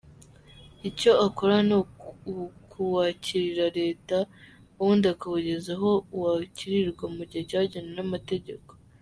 Icyo akora ni ukuwakirira Leta ubundi akawugeza aho wakirirwa mu gihe cyagenwe n’amategeko.